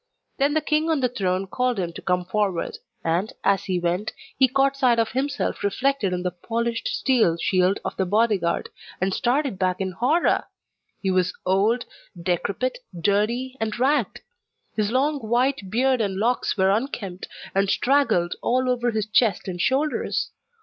Then the king on the throne called him to come forward, and, as he went, he caught sight of himself reflected in the polished steel shield of the bodyguard, and started back in horror! He was old, decrepit, dirty, and ragged! His long white beard and locks were unkempt, and straggled all over his chest and shoulders.